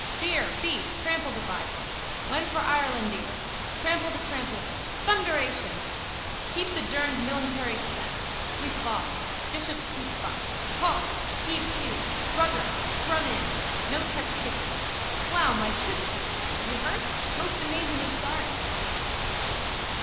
Beer, beef, trample the bibles. When for Irelandear. Trample the trampellers. Thunderation! Keep the durned millingtary step. We fall. Bishops boosebox. Halt! Heave to. Rugger. Scrum in. No touch kicking. Wow, my tootsies! You hurt? Most amazingly sorry!